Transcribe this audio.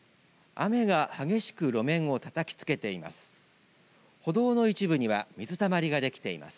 雨が激しく路面をたたきつけています。